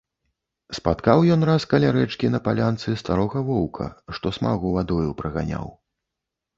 Спаткаў ён раз каля рэчкі, на палянцы, старога воўка, што смагу вадою праганяў.